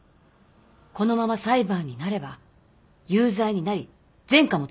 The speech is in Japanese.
このまま裁判になれば有罪になり前科もつきます。